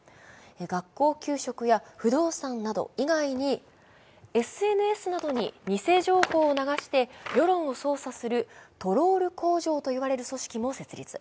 学校給食や不動産など以外にＳＮＳなどに偽情報を流して世論を操作するトロール工場と呼ばれる組織も設立。